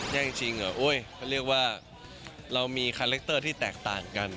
แย่งจริงเหรอโอ๊ยเขาเรียกว่าเรามีคาแรคเตอร์ที่แตกต่างกัน